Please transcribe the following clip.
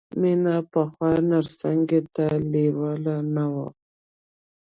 مینه پخوا نرسنګ ته لېواله نه وه